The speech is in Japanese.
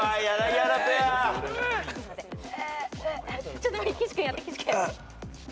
ちょっと岸君やって岸君。